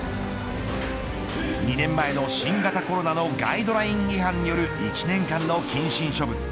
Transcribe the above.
２年前の新型コロナのガイドライン違反による１年間の謹慎処分。